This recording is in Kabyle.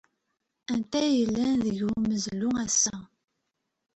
Anta ay yellan deg umeẓlu ass-a?